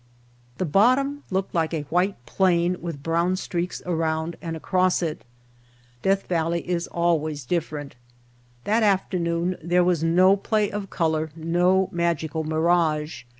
The bottom looked like a white plain with brown streaks around and across it. Death Valley is always different. That afternoon there was no play of color, no magical mirage.